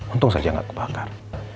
untung saja gak kebakar